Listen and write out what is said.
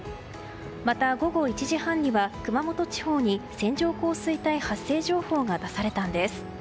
また午後１時半には熊本地方に線状降水帯発生情報が出されたんです。